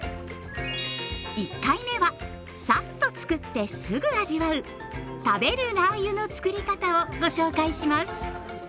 １回目はさっとつくってすぐ味わう食べるラー油のつくり方をご紹介します。